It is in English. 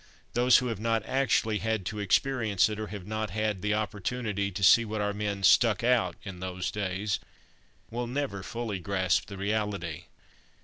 Those who have not actually had to experience it, or have not had the opportunity to see what our men "stuck out" in those days, will never fully grasp the reality.